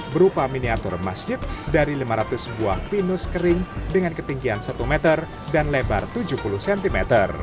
berupa miniatur masjid dari lima ratus buah pinus kering dengan ketinggian satu meter dan lebar tujuh puluh cm